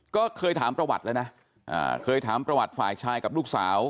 ก็เคยถามประวัติแล้วนะเคยถามประวัติฝ่ายชายกับลูกสาว